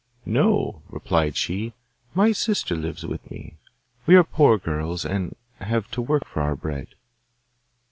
'No,' replied she, 'my sister lives with me. We are poor girls, and have to work for our bread.